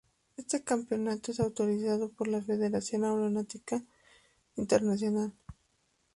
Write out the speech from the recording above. Este campeonato es autorizado por la Federación Aeronáutica Internacional.